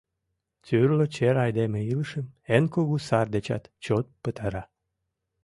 Тӱрлӧ чер айдеме илышым эн кугу сар дечат чот пытара.